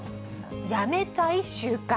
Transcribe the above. やめたい習慣。